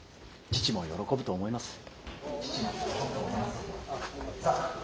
「父も喜ぶと思います。さあ」。